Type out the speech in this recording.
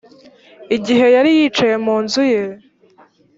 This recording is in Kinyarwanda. igihe yari yicaye mu nzu ye